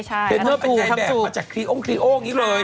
เมื่อเป็นไหนแบบมาจากคลีโอ้งอย่างนี้เลย